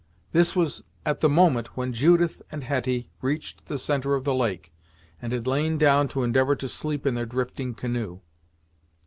This was at the moment when Judith and Hetty reached the centre of the lake, and had lain down to endeavor to sleep in their drifting canoe.